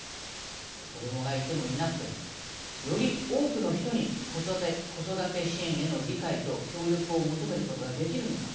子どもがいてもいなくてもより多くの人に子育て支援への理解と協力を求めることができるのか